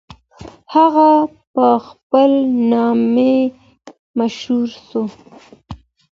هغه په خپل نامې مشهور سو.